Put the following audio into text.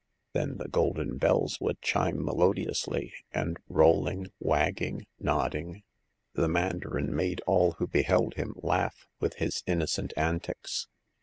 Then the golden bells would chime melodiously, and rolling, wagging, nodding, the mandarin made all who beheld him laugh, with his innocent antics.